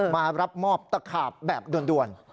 มารับมอบตะขาบแบบด่วน